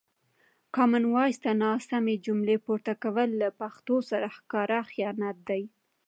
کامن وایس ته ناسمې جملې پورته کول له پښتو سره ښکاره خیانت دی.